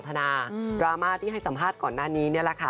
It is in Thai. ยากณรม่าที่ให้สัมภาษณ์ก่อนหน้านี้น่าล่ะค่ะ